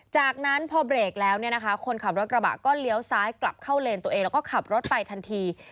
จากนั้นพอเบรกแล้วเนี่ยนะคะคนขับรถกระบะก็เลี้ยวซ้ายกลับเข้าเลนตัวเองแล้วก็ขับรถไปทันที